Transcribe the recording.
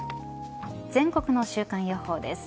全国の週間予報です。